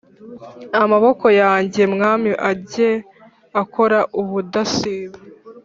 Amaboko yanjye mwami ajye akora ubudasiba